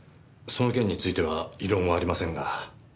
その件については異論はありませんが。